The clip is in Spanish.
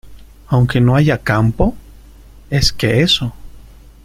aunque no haya campo? es que eso